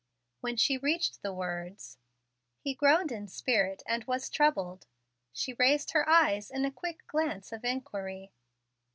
When she reached the words, "He groaned in spirit, and was troubled," she raised her eyes in a quick glance of inquiry.